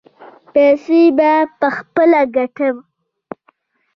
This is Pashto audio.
پیسې به پخپله ګټم.